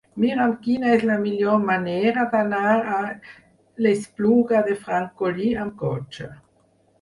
Mira'm quina és la millor manera d'anar a l'Espluga de Francolí amb cotxe.